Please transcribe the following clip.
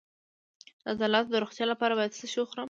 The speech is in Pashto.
د عضلاتو د روغتیا لپاره باید څه شی وخورم؟